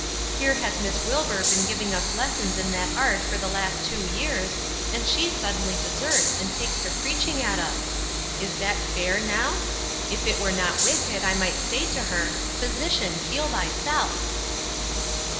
Here has Miss Wilbur been giving us lessons in that art for the last two years, and she suddenly deserts and takes to preaching at us. Is that fair, now? If it were not wicked I might say to her, 'Physician, heal thyself.'"